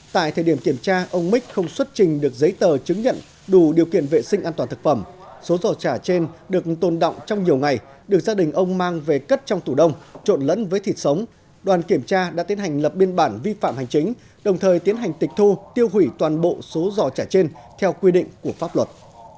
tại thời điểm kiểm tra ông mích không xuất trình được giấy tờ chứng nhận đủ điều kiện vệ sinh an toàn thực phẩm số giỏ trả trên được tồn động trong nhiều ngày được gia đình ông mang về cất trong tủ đông trộn lẫn với thịt sống đoàn kiểm tra đã tiến hành lập biên bản vi phạm hành chính đồng thời tiến hành tịch thu tiêu hủy toàn bộ số giò chả trên theo quy định của pháp luật